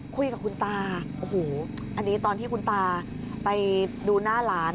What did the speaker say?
คุยกับคุณตาโอ้โหอันนี้ตอนที่คุณตาไปดูหน้าหลาน